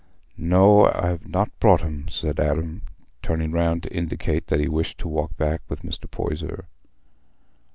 "No, I've not brought 'em," said Adam, turning round, to indicate that he wished to walk back with Mr. Poyser.